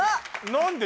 何で？